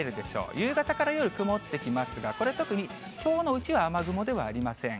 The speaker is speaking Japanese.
夕方から夜、曇ってきますが、これは特にきょうのうちは雨雲ではありません。